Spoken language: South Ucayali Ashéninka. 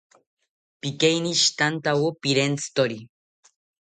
Pikeinishitantawo pirentzitori